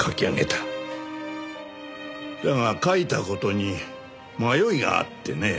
だが描いた事に迷いがあってね。